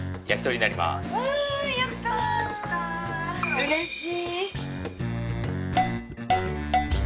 うれしい。